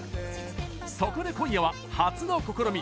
そこで今夜は初の試み。